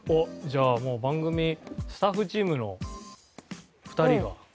じゃあもう番組スタッフチームの２人が。